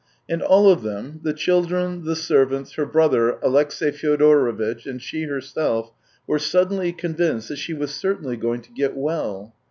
And all of them — the children, the servants, her brother, Alexey Fyodorovitch, and she herself — were suddenly convinced, that she was certainly going to get well.